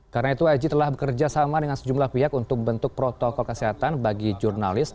karena itu aji telah bekerja sama dengan sejumlah pihak untuk membentuk protokol kesehatan bagi jurnalis